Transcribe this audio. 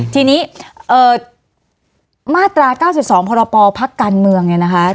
ตอนมาตรา๙๒ภักษณ์การเมือง